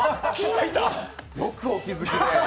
よくお気づきで。